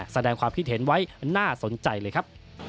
แสดงความคิดเห็นไว้น่าสนใจเลยครับ